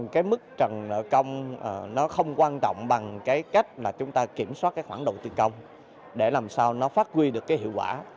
cái mức trần nợ công nó không quan trọng bằng cái cách là chúng ta kiểm soát cái khoản đầu tư công để làm sao nó phát huy được cái hiệu quả